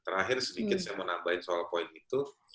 terakhir sedikit saya mau nambahin soal poin itu